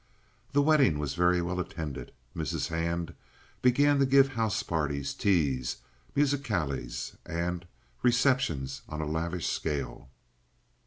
The wedding was very well attended. Mrs. Hand began to give house parties, teas, musicales, and receptions on a lavish scale.